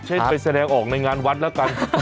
ไปแสดงออกในงานวัดแล้วกัน